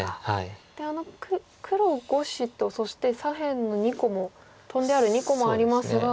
であの黒５子とそして左辺の２個もトンである２個もありますが。